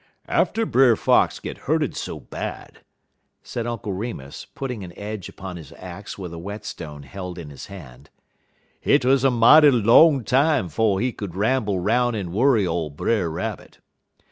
"After Brer Fox git hurted so bad," said Uncle Remus, putting an edge upon his axe with a whetstone held in his hand, "hit wuz a mighty long time 'fo' he could ramble 'roun' en worry ole Brer Rabbit.